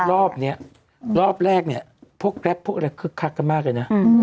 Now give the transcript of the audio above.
รอบนี้รอบแรกเนี่ยพวกแรปพวกอะไรคึกคักกันมากเลยนะ